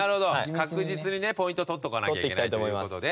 確実にねポイントを取っておかなきゃいけないという事で。